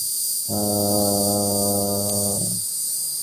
তার একটিই বক্তব্য-এই লোকটা পিশাচ।